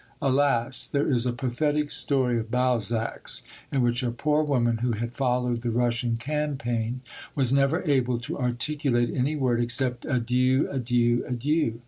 Alas! (There is a pathetic story of Balzac's, in which a poor woman who had followed the Russian campaign, was never able to articulate any word except _Adieu, Adieu, Adieu!